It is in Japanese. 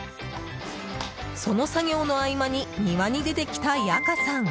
その作業の合間に庭に出てきたヤカさん。